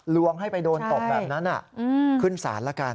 ลวงให้ไปโดนตบแบบนั้นขึ้นศาลละกัน